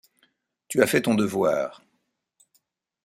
Tu as fait ton devoir. ..